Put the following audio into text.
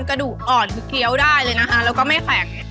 กระดูกอ่อนคือเคี้ยวได้เลยนะคะแล้วก็ไม่แข็ง